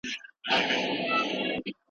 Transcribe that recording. خلګ د پوهو کسانو خبرو ته غوږ نیسي.